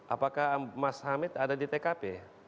apakah mas hamid ada di tkp